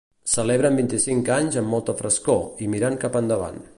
Celebren vint-i-cinc anys amb molta frescor i mirant cap endavant.